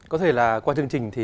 có thể là qua chương trình